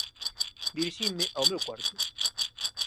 Dirixinme ao meu cuarto.